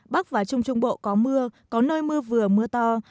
bắc và trung trung bộ có mưa có nơi mưa vừa mưa to